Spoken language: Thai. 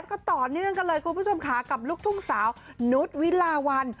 จึงกันเลยคุณผู้ชมค่ะกับลูกทุ่งสาวนุษย์วิลาวัน